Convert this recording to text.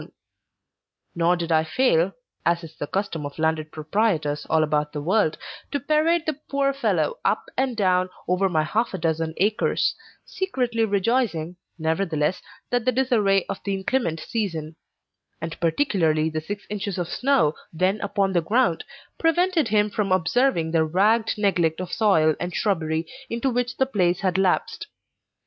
Nor did I fail (as is the custom of landed proprietors all about the world) to parade the poor fellow up and down over my half a dozen acres; secretly rejoicing, nevertheless, that the disarray of the inclement season, and particularly the six inches of snow then upon the ground, prevented him from observing the ragged neglect of soil and shrubbery into which the place had lapsed.